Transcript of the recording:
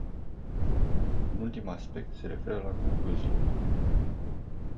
Un ultim aspect se referă la concluzii.